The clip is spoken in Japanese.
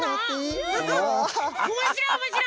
おもしろいおもしろい！